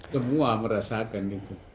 semua merasakan itu